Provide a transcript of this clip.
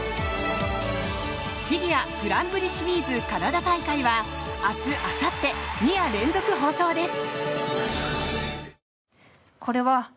フィギュアグランプリシリーズカナダ大会は明日、あさって２夜連続放送です。